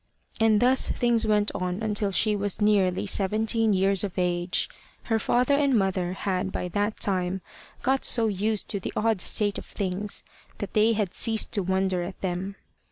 And thus things went on until she was nearly seventeen years of age. Her father and mother had by that time got so used to the odd state of things that they had ceased to wonder at them.